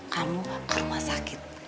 kamu ke rumah sakit